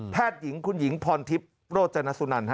แพทย์หญิงคุณหญิงพรทิพย์โรจนสุนันฮะ